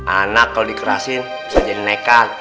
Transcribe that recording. anak kalo dikerasin bisa jadi nekan